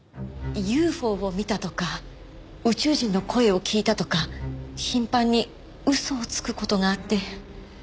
ＵＦＯを見たとか宇宙人の声を聞いたとか頻繁に嘘をつく事があって。